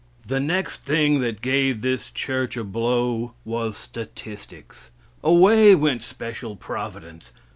The next thing that gave this church a blow was statistics. Away went special providence.